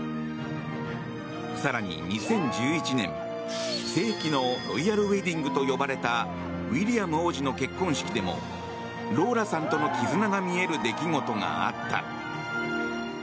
更に２０１１年世紀のロイヤルウェディングと呼ばれたウィリアム王子の結婚式でもローラさんとの絆が見える出来事があった。